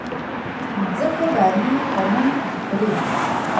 مځکه دانې د غنم خوري